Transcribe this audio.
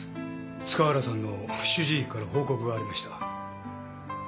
塚原さんの主治医から報告がありました。